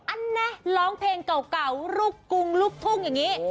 อันนี้ร้องเพลงเก่าลูกกรุงลูกทุ่งอย่างนี้